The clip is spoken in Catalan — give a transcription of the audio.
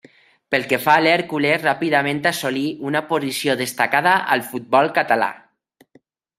Pel que fa a l'Hèrcules, ràpidament assolí una posició destacada al futbol català.